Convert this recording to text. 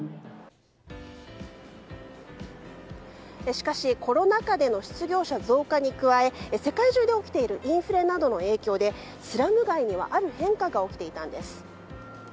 しかし、コロナ禍での失業者増加に加え世界中で起きているインフレなどの影響でスラム街にはある変化が起きていたんです。